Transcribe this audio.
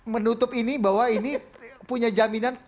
menutup ini bahwa ini punya jaminan